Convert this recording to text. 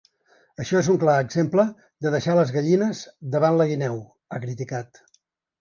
Això és un clar exemple de deixar les gallines davant la guineu, ha criticat.